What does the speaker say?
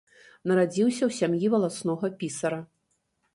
Нарадзіўся ў сям'і валаснога пісара.